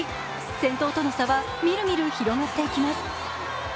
先頭との差はみるみる広がっていきます。